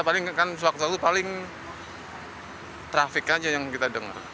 paling kan suatu waktu itu paling trafik aja yang kita dengar